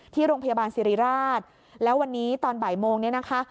ที่โรงพยาบาลสิริราชแล้ววันนี้ตอนบ่ายโมงเนี่ยนะคะ